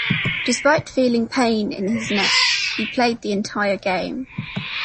Despite feeling pain in his neck, he played the entire game.